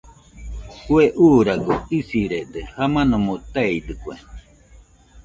Kue uuragoɨ isirede, jamanomo teidɨkue.